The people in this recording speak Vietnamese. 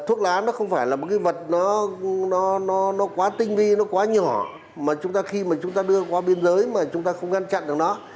thuốc lá nó không phải là một cái vật nó quá tinh vi nó quá nhỏ mà khi mà chúng ta đưa qua biên giới mà chúng ta không ngăn chặn được nó